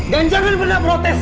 dan jangan pernah protes